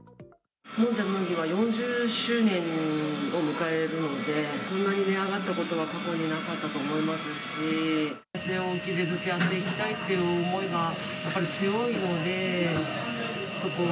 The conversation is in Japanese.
４０周年を迎えるんで、こんなに値上がったことは過去になかったと思いますし、据え置きでずっとやっていきたいっていう思いがやっぱり強いので、そこは